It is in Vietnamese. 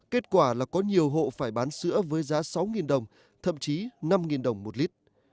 kết quả là có nhiều hộ phải bán sữa với giá sáu đồng thậm chí năm đồng một lít